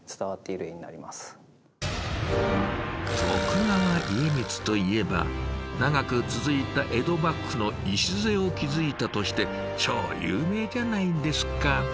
徳川家光といえば長く続いた江戸幕府の礎を築いたとして超有名じゃないですか。